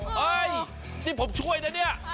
เฮ้ยนี่ผมช่วยนะเนี่ย